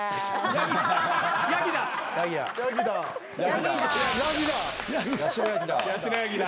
ヤギだ。